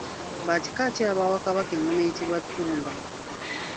Ba kika ki abaawa Kabaka engoma eyitibwa Ttumba.